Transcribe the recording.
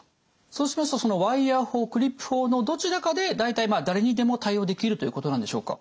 そうしますとそのワイヤー法クリップ法のどちらかで大体まあ誰にでも対応できるということなんでしょうか？